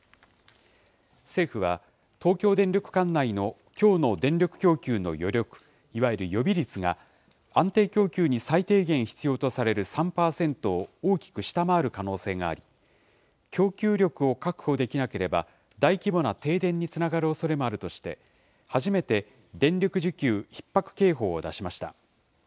政府は東京電力管内のきょうの電力供給の余力、いわゆる予備率が、安定供給に最低限必要とされる３％を大きく下回る可能性があり、供給力を確保できなければ、大規模な停電につながるおそれもあるとして、初めて電力需給ひっ迫警報を出しました。